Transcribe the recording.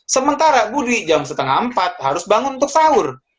sementara budi jam setengah empat harus bangun untuk sahur